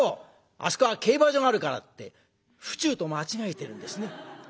あそこは競馬場があるから」って府中と間違えてるんですね。